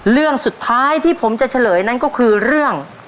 เรื่องสุดท้ายที่ผมจะเฉลยนั้นก็คือเรื่อง